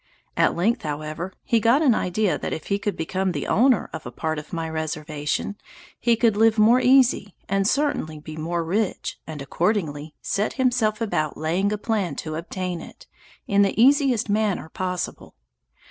At length, however, he got an idea that if he could become the owner of a part of my reservation, he could live more easy, and certainly be more rich, and accordingly set himself about laying a plan to obtain it, in the easiest manner possible.